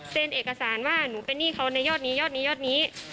เอกสารว่าหนูเป็นหนี้เขาในยอดนี้ยอดนี้ยอดนี้